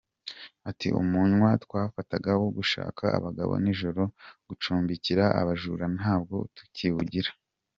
Ati″Umwanya twafataga wo gushaka abagabo nijoro no gucumbikira abajura ntabwo tukiwugira.